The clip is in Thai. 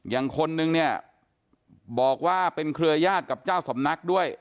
คนนึงเนี่ยบอกว่าเป็นเครือยาศกับเจ้าสำนักด้วย